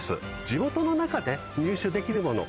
地元の中で入手できるもの。